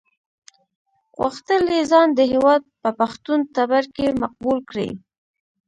غوښتل یې ځان د هېواد په پښتون ټبر کې مقبول کړي.